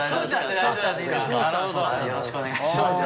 よろしくお願いします。